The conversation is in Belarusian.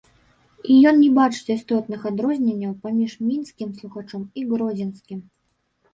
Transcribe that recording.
І ён не бачыць істотных адрозненняў паміж мінскім слухачом і гродзенскім.